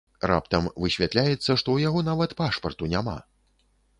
Раптам высвятляецца, што ў яго нават пашпарту няма!